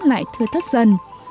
lại thưa thất dần